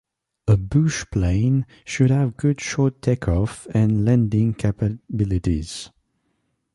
A bush plane should have good short take-off and landing capabilities.